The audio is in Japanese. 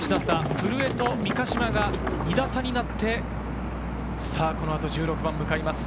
古江と三ヶ島が２打差になってこの後、１６番に向かいます。